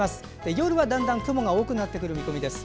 夜はだんだん雲が多くなってくる見込みです。